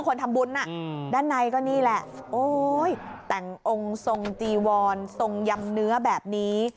คนทำบุญน่ะด้านในก็นี่แหละโอ๊ยแต่งองค์ทรงจีวรทรงยำเนื้อแบบนี้